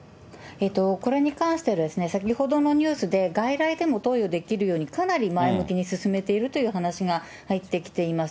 これに関しては、先ほどのニュースで、外来でも投与できるようにかなり前向きに進めているという話が入ってきています。